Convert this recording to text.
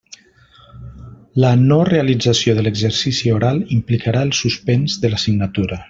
La no realització de l'exercici oral implicarà el suspens de l'assignatura.